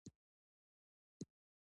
د لمس د حس د کمیدو لپاره باید څه وکړم؟